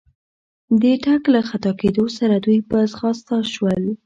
د ټک له خطا کېدو سره دوی په ځغستا شول.